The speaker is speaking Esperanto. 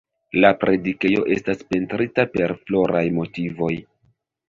La predikejo estas pentrita per floraj motivoj.